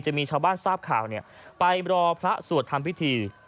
จะมีชาวบ้านทราบข่าวไปรอพระสวดทำพิธี